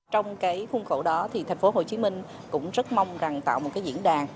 trong cái khung khẩu đó thì thành phố hồ chí minh cũng rất mong rằng tạo một cái diễn đàn